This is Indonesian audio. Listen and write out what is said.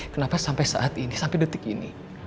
kenapa sampai saat ini sampai detik ini